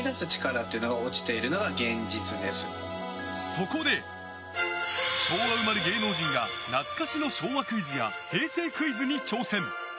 そこで、昭和生まれ芸能人が懐かしの昭和クイズや平成クイズに挑戦。